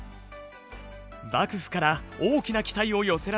幕府から大きな期待を寄せられた福山城。